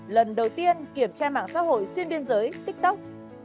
lần đầu tiên kiểm tra mạng xã hội xuyên biên giới tiktok